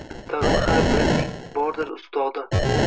Tag‘in har birining bordir ustodi!